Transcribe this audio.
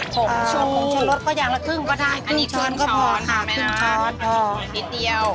ผงชูผงชะรสก็อย่างละครึ่งก็ได้ครึ่งช้อนก็พอค่ะครึ่งช้อนอ๋อนิดเดียว